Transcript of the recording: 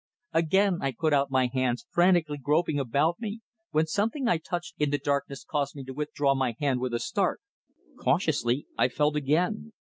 Again I put out my hands, frantically groping about me, when something I touched in the darkness caused me to withdraw my hand with a start. Cautiously I felt again.